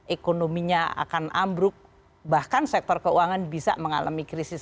ekonominya akan ambruk bahkan sektor keuangan bisa mengalami krisis